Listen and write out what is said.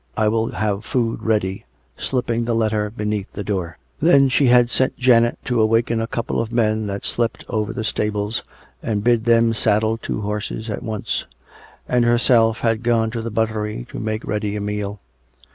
... I will have food ready "; slipping the letter beneath the door. Then she had sent Janet to awaken a couple of men that slept over the stables, and bid them saddle two horses at once; and herself had gone to the buttery to make ready a meal.